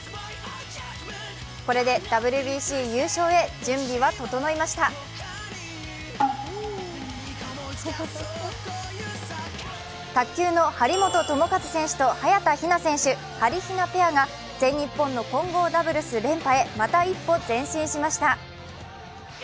これでＷＢＣ優勝へ準備は整いました卓球の張本智和選手と早田ひな選手、はりひなペアが全日本の混合ダブルス連覇へまた一歩前進しました。